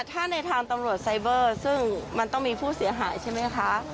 ถ้าในทางตำรวจไซเบอร์ซึ่งมันต้องมีผู้เสียหายใช่ไหมคะ